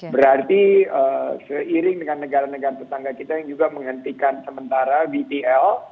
berarti seiring dengan negara negara tetangga kita yang juga menghentikan sementara vtl